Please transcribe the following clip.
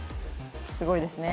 すごいですね。